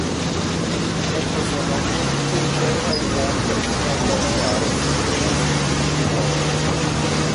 Occasionalmente ciò può evolvere fino a causare fibrosi e cirrosi.